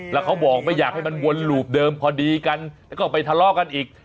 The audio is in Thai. แล้วเขาบอกไม่อยากให้มันวนหลูบเดิมพอดีกันแล้วก็ไปทะเลาะกันอีก